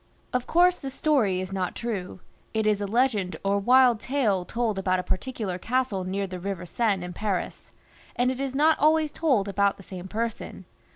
Of course this story is not true. It is a legend or wild tale told about a particular castle near the river Seine in Paris; and it is not always told about the same XXI.] PHILIP IV, {LE BEL). 131 person.